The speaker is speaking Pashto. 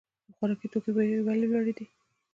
د خوراکي توکو بیې ولې لوړې دي؟